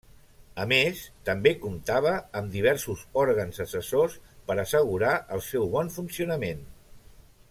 A més, també comptava amb diversos òrgans assessors per assegurar el seu bon funcionament.